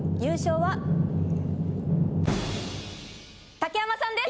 竹山さんです！